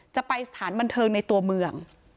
จะไปสถานบันเทิงในตัวเมือง